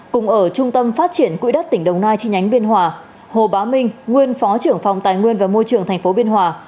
cùng ở trung tâm phát triển quỹ đất tỉnh đồng nai chi nhánh biên hòa hồ bá minh nguyên phó trưởng phòng tài nguyên và môi trường tp biên hòa